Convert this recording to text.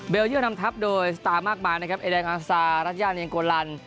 เยอร์นำทัพโดยสตาร์มากมายนะครับไอแดงอาซารัชญาเนียงโกลัน